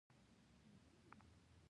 سوالونه او ځوابونه یې یو څه عجیب ښکارېدل.